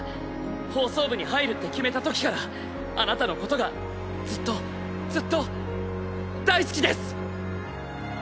放送部に入るって決めたときからあなたのことがずっとずっと大好きです！